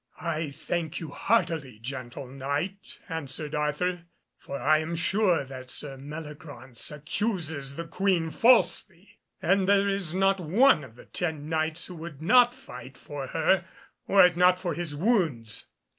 "I thank you heartily, gentle Knight," answered Arthur, "for I am sure that Sir Meliagraunce accuses the Queen falsely, and there is not one of the ten Knights who would not fight for her were it not for his wounds.